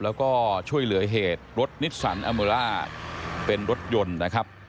แล้วก็ช่วยเหลือเหตุรถนิสสันอัมเมอร่าเป็นรถยนต์นะครับ